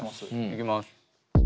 いきます。